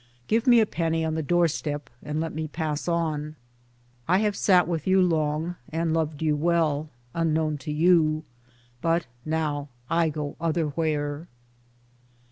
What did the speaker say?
Give me a penny on the doorstep and let me pass on. I have sat with you long, and loved you well, unknown to you, but now I go otherwhere.